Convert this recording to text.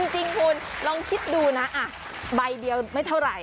จริงคุณลองคิดดูนะใบเดียวไม่เท่าไหร่